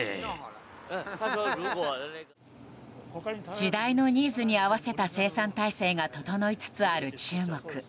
時代のニーズに合わせた生産態勢が整いつつある中国。